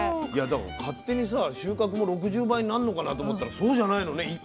いやだから勝手にさ収穫も６０倍になんのかなと思ったらそうじゃないのね。